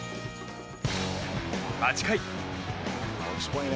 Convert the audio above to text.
８回。